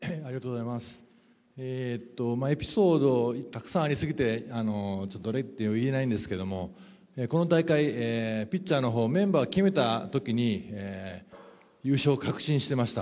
エピソード、たくさんありすぎてどれって言えないんですけど、この大会、ピッチャーの方、メンバーを決めたときに優勝を確信してました。